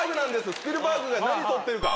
スピルバーグが何撮ってるか？